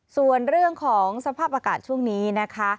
ส่วนเรื่องของสภาพอากาศช่วงนี้นะคะ